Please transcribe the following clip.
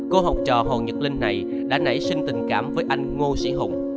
cô học trò hồ nhật linh này đã nảy sinh tình cảm với anh ngô sĩ hùng